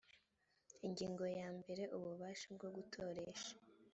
ingingo ya mbere ububasha bwo gutoresha